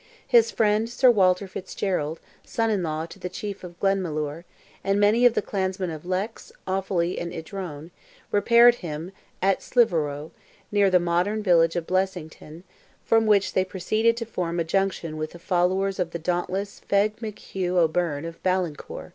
His friend, Sir Walter Fitzgerald, son in law to the chief of Glenmalure, and many of the clansmen of Leix, Offally and Idrone, repaired to him at Slieveroe, near the modern village of Blessington, from which they proceeded to form a junction with the followers of the dauntless Feagh McHugh O'Byrne of Ballincor.